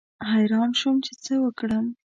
حیران شوم چې څه وکړم.